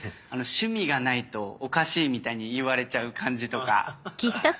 「趣味がないとおかしい」みたいに言われちゃう感じとか。